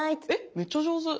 めっちゃ上手。